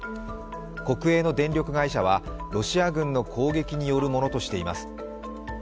国営の電力会社はロシア軍の攻撃によるものとしています。